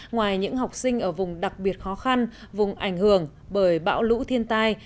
ngoài những học sinh ở vùng đặc biệt khó khăn vùng ảnh hưởng bởi bão lũ thiên tai